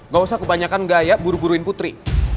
gak usah kebanyakan gaya buru buruin putri